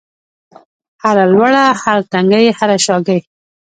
هره لوړه، هر تنګی هره شاګۍ